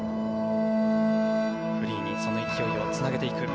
フリーにその勢いをつなげていく。